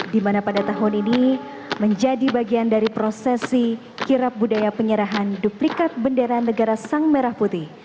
di mana pada tahun ini menjadi bagian dari prosesi kirap budaya penyerahan duplikat bendera negara sang merah putih